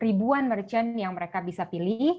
ribuan merchant yang mereka bisa pilih